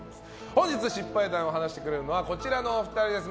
本日失敗談を話してくれるのはこちらのお二人です。